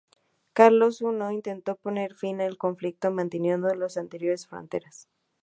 Carlos I intentó poner fin al conflicto manteniendo las anteriores fronteras.